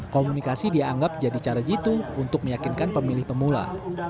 komunikasi dianggap jadi cara jitu untuk meyakinkan pemilih pemula